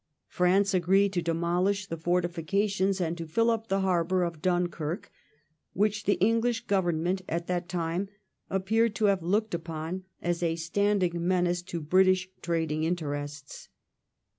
France agreed to demolish the fortifications and to fill up the harbour of Dunkirk, which the English Government at that time appear to have looked upon as a standing menace to British trading interests.